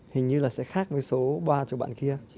hình như là sẽ khác với số ba cho bạn kia